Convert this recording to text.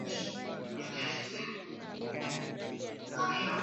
gavana wa benki ndiye mwenyekiti wa kamati hiyo